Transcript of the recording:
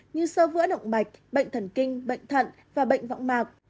như sơ vữa động mạch bệnh thần kinh bệnh thận và bệnh võng mạc